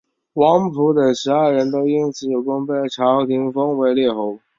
王甫等十二人都因此有功被朝廷封为列侯。